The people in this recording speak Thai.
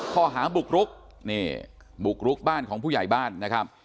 ข้อหาบุกรุกนี่บุกรุกบ้านของผู้ใหญ่บ้านนะครับ